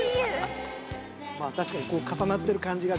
確かにこう重なってる感じが。